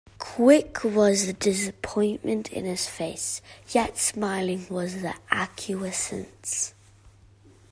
Quick was the disappointment in his face, yet smiling was the acquiescence.